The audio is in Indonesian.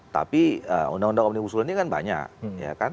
tapi undang undang omnibus law ini kan banyak